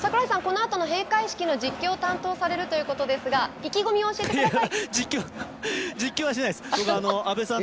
櫻井さんはこのあとの閉会式を担当されるということで意気込み教えてください。